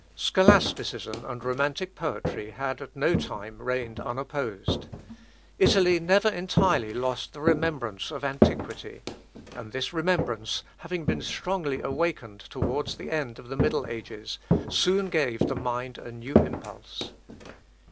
Scholasticism and romantic poetry had at no time reigned unopposed. Italy never entirely lost the remembrance of antiquity; and this remembrance having been strongly awakened towards the end of the middle ages, soon gave the mind a new impulse.